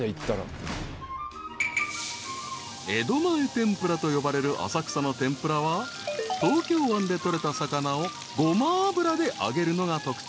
［江戸前天ぷらと呼ばれる浅草の天ぷらは東京湾で取れた魚をごま油で揚げるのが特徴］